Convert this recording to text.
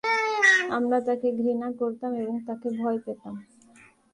আমরা তাকে ঘৃণা করতাম এবং তাকে ভয় পেতাম।